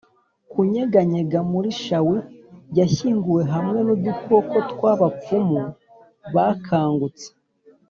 kunyeganyega, muri shawl yashyinguwe, hamwe nudukoko twabapfumu bakangutse,